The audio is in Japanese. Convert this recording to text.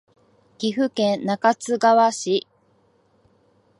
岐阜県中津川市